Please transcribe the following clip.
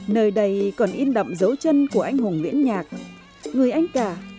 nơi đây còn in đậm dấu chân của anh hùng viễn nhạc người anh cả